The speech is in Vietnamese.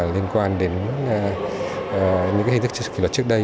liên quan đến những hình thức kỷ luật trước đây